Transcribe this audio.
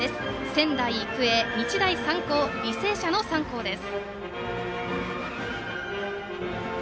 仙台育英、日大三高、履正社の３校です。